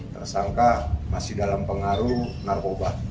tersangka masih dalam pengaruh narkoba